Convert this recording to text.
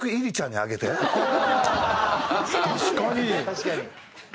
確かに。